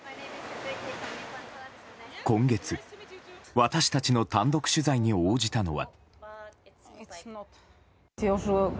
今月、私たちの単独取材に応じたのは。